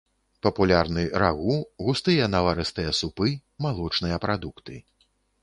Папулярны рагу, густыя наварыстыя супы, малочныя прадукты.